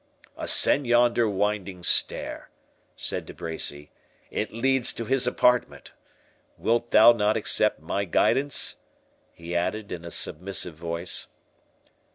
"Ascend yonder winding stair," said De Bracy; "it leads to his apartment—Wilt thou not accept my guidance?" he added, in a submissive voice.